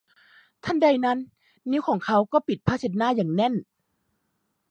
ทันใดนั้นนิ้วของเขาก็ปิดผ้าเช็ดหน้าอย่างแน่น